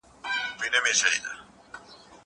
زه به سبا موبایل کاروم!